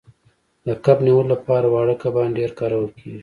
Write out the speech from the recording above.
د کب نیولو لپاره واړه کبان ډیر کارول کیږي